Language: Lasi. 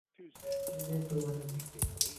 ڪيڏي تو وڃي؟